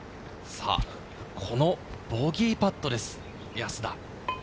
このボギーパットです、安田。